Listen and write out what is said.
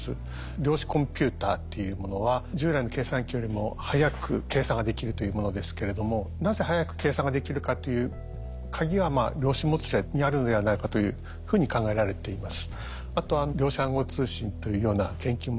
量子コンピューターっていうものは従来の計算機よりも速く計算ができるというものですけれどもなぜ速く計算ができるかというカギは量子もつれにあるのではないかというふうに考えられています。